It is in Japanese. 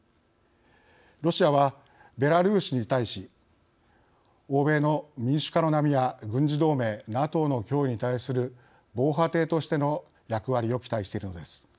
ロシアは、ベラルーシに対し欧米の民主化の波や軍事同盟＝ＮＡＴＯの脅威に対する防波堤としての役割を期待しているのです。